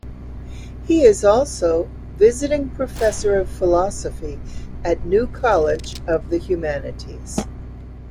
He is also Visiting Professor of Philosophy at New College of the Humanities.